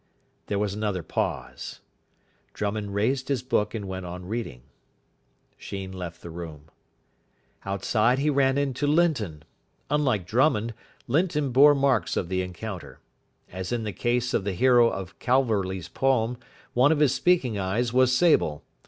There was another pause. Drummond raised his book and went on reading. Sheen left the room. Outside he ran into Linton. Unlike Drummond, Linton bore marks of the encounter. As in the case of the hero of Calverley's poem, one of his speaking eyes was sable.